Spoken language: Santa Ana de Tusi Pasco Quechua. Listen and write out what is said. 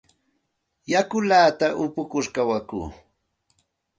Yakullata upukur kawakuu.